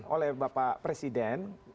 oleh bapak presiden